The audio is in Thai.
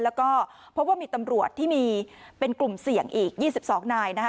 แล้วก็พบว่ามีตำรวจที่มีเป็นกลุ่มเสี่ยงอีก๒๒นายนะคะ